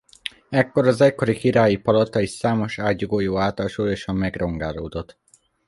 Ekkor az egykori királyi palota is számos ágyúgolyó által súlyosan megrongálódott.